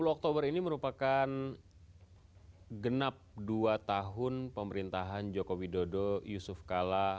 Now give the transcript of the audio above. dua puluh oktober ini merupakan genap dua tahun pemerintahan jokowi dodo yusuf kala